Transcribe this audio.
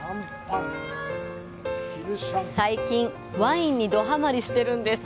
最近ワインにどハマりしているんです。